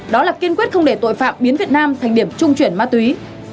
đó là kiên quyết không để tội phạm biến việt nam thành điểm trung chuyển ma túy